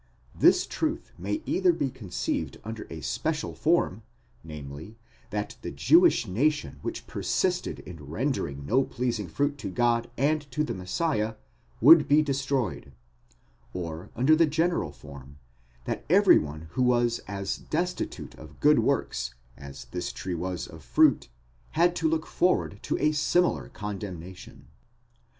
This truth may either be conceived under a special form, namely, that the Jewish nation which persisted in rendering no pleasing fruit to God and to the Messiah, would be destroyed ; or under the general form, that every one who was as destitute of good works as this tree was of fruit, had to look forward to a similar condemnation.!